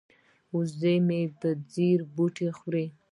وزه مې په ځیر بوټي خوري.